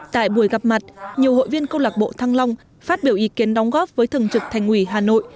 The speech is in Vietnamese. tại buổi gặp mặt nhiều hội viên công lạc bộ thăng long phát biểu ý kiến đóng góp với thường trực thành ủy hà nội